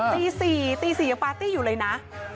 ตี๔ตี๔ยังปาร์ตี้อยู่เลยนะ